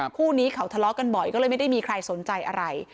คู่นี้เขาทะเลาะกันบ่อยก็เลยไม่ได้มีใครสนใจอะไร